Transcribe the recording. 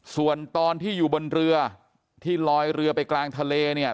ส่วนตอนที่อยู่บนเรือที่ลอยเรือไปกลางทะเลเนี่ย